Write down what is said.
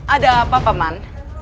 ada apa peman